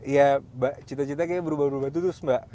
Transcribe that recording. iya mbak cita citanya kayaknya berubah ubah terus mbak